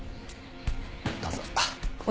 どうぞ。